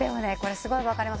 すごい分かります。